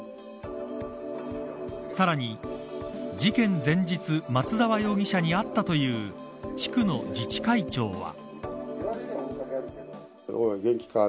さらに、事件前日松沢容疑者に会ったという地区の自治会長は。